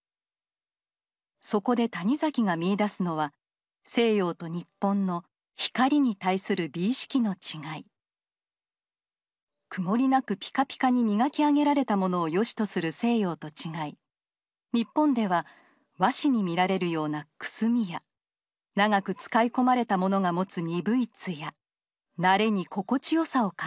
そこで谷崎が見いだすのは西洋と日本の曇りなくピカピカに磨き上げられたものをよしとする西洋と違い日本では和紙に見られるようなくすみや長く使い込まれたものが持つ鈍い艶なれに心地よさを感じる。